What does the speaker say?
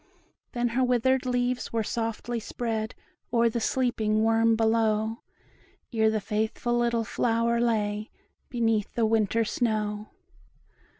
Then her withered leaves were softly spread O'er the sleeping worm below, Ere the faithful little flower lay Beneath the winter snow.